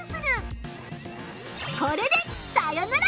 これでさよなら！